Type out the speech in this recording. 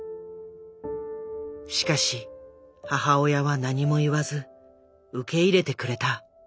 しかし母親は何も言わず受け入れてくれた。